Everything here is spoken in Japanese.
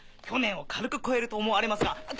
去年を軽く超えると思われますが。